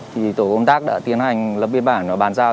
thì tổ công tác đã tiến hành lập biên bản và bàn giao